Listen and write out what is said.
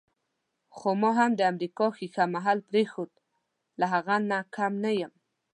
خو ما هم د امریکا ښیښه محل پرېښود، له هغه نه کم نه یم.